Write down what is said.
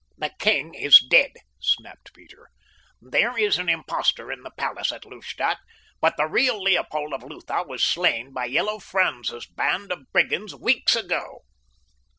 "The king is dead," snapped Peter. "There is an impostor in the palace at Lustadt. But the real Leopold of Lutha was slain by Yellow Franz's band of brigands weeks ago."